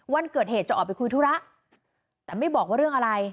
วันเกิดเหตุจะออกไปคุยธุระแต่ไม่บอกว่าเรื่องอะไร